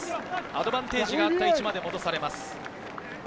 アドバンテージがあった位置まで戻されます。